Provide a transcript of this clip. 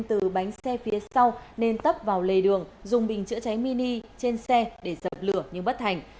từ bánh xe phía sau nên tấp vào lề đường dùng bình chữa cháy mini trên xe để dập lửa nhưng bất thành